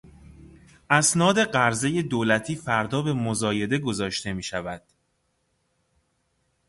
اسناد قرضهی دولتی فردا به مزایده گذاشته میشود.